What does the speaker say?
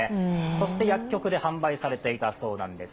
それで薬局で販売されていたそうなんです。